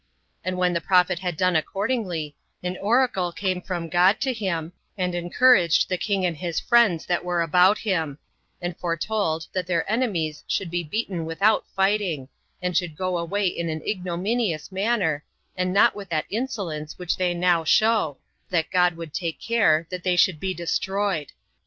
And when the prophet had done accordingly, an oracle came from God to him, and encouraged the king and his friends that were about him; and foretold that their enemies should be beaten without fighting, and should go away in an ignominious manner, and not with that insolence which they now show, for that God would take care that they should be destroyed.